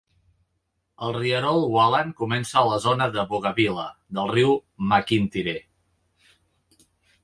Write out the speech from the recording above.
El rierol Whalan comença a la zona de Boggabilla, del riu McIntyre.